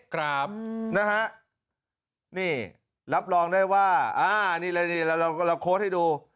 ครับนะฮะนี่รับรองได้ว่าเราโค้ดให้ดู